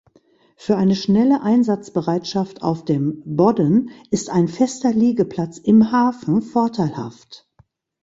Für eine schnelle Einsatzbereitschaft auf dem Bodden ist ein fester Liegeplatz im Hafen vorteilhaft.